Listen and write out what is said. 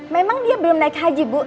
memang dia belum naik haji bu